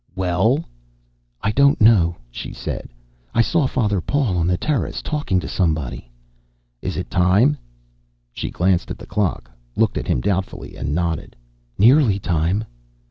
"Well?" "I don't know," she said. "I saw Father Paul on the terrace, talking to somebody." "Is it time?" She glanced at the clock, looked at him doubtfully, and nodded. "Nearly time."